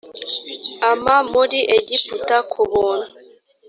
ama muri egiputa ku buntu